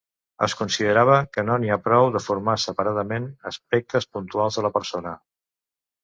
Es considerava que no n’hi ha prou de formar separadament aspectes puntuals de la persona.